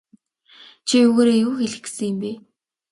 Чи үүгээрээ юу хэлэх гэсэн юм бэ?